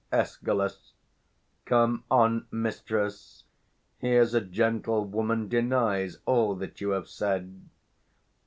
_ Escal. Come on, mistress: here's a gentlewoman denies all that you have said.